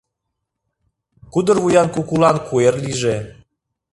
Кудыр вуян кукулан куэр лийже